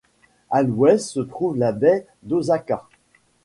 À l'ouest se trouve la baie d'Osaka.